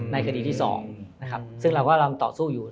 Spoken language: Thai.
ในคดีที่๒ซึ่งเราก็ต่อสู้อยู่